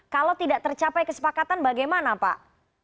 kalau tidak tercapai kesepakatan bagaimana pak